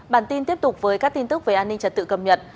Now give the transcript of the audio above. bản tin tiếp tục với các tin tức về an ninh trật tự cầm nhận